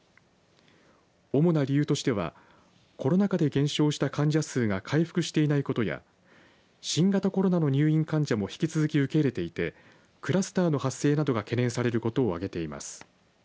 主な理由としてはコロナ禍で減少した患者数が回復していないことや新型コロナの入院患者も引き続き受け入れていてクラスターの発生などが懸念されることを挙げています。